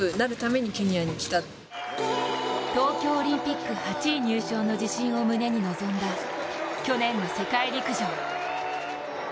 東京オリンピック８位入賞の自信を胸に臨んだ去年の世界陸上。